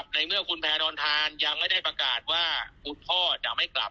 ในเมื่อคุณแพดอนทานยังไม่ได้ประกาศว่าคุณพ่อจะไม่กลับ